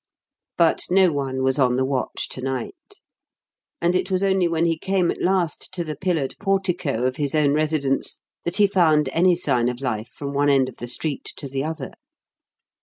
But no one was on the watch to night; and it was only when he came at last to the pillared portico of his own residence that he found any sign of life from one end of the street to the other.